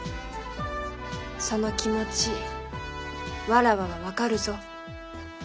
その気持ちわらわは分かるぞ。